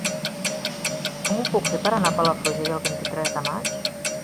Com ho puc fer per anar a Palafrugell el vint-i-tres de maig?